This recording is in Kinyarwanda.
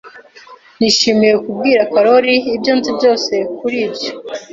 Nishimiye kubwira Karori ibyo nzi byose kuri ibyo.